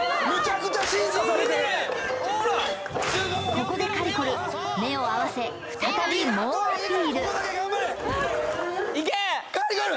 ここでかりこる目を合わせ再び猛アピールかりこる！